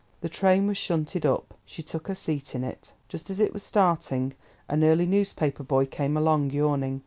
The train was shunted up; she took her seat in it. Just as it was starting, an early newspaper boy came along, yawning.